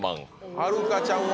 はるかちゃんは？